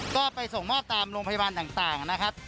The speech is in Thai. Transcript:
ก็ไปส่งมอบตามโรงพยาบาลต่างนะครับ